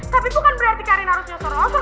tapi bukan berarti karin harus nyosor nyosor